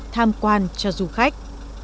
tham quan cho du khách